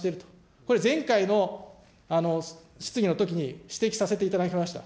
これ、前回の質疑のときに指摘させていただきました。